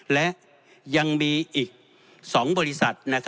และยังมีอีก๒บริษัท